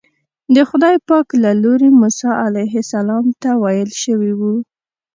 د خدای پاک له لوري موسی علیه السلام ته ویل شوي وو.